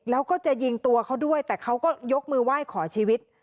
แล้วก็จะยิงตัวเขาด้วยแต่เขาก็ยกมือไหว้ขอชีวิต